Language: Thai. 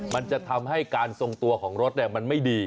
มันจะทำให้การทรงตัวของรถมันไม่ดี